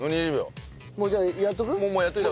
もうじゃあやっとく？